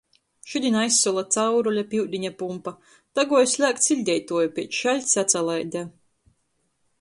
Šudiņ aizsola caurule pi iudiņa pumpa. Daguoja slēgt siļdeituoju, piec šaļts atsalaide.